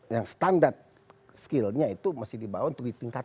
yang standar skillnya itu masih dibawa untuk di tingkat